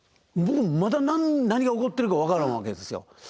僕もまだ何が起こってるか分からんわけですよ。